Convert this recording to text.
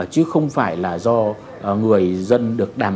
chứ không phải là do người dân được đàm phán từng cái điều khoản một